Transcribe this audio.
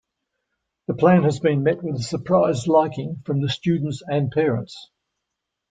The plan has been met with a surprise liking from the students and parents.